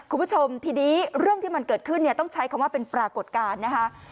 คุณผู้ชมทีนี้เรื่องที่มันเกิดขึ้นเนี่ยต้องใช้คำว่าเป็นปรากฏการณ์นะคะ